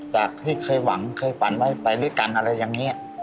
จากที่เคยหวังเคยฝันไว้ไปด้วยกันอะไรอย่างนี้